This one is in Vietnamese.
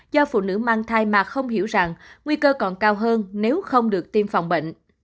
do phụ nữ mang thai mà không hiểu rằng nguy cơ còn cao hơn nếu không được tiêm phòng bệnh